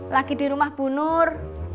lagi di rumah bu nur